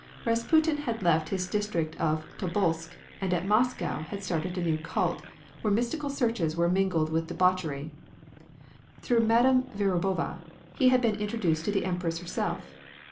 Rasputin had left his district of Tobolsk and at Moscow had started a new cult, where mystical seances were mingled with debauchery. Through Madame Verubova he had been introduced to the Empress herself.